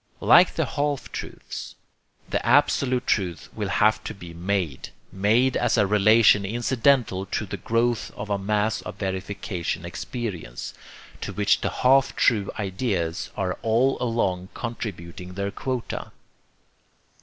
Like the half truths, the absolute truth will have to be MADE, made as a relation incidental to the growth of a mass of verification experience, to which the half true ideas are all along contributing their quota.